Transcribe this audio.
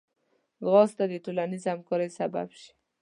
ځغاسته د ټولنیز همکارۍ سبب شي